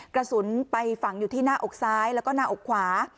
กระสุนไปฝังอยู่ที่หน้าอกซ้ายแล้วก็หน้าอกขวา